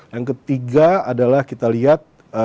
yang ketiga adalah kita lihat